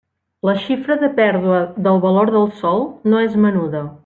La xifra de pèrdua del valor del sòl no és menuda.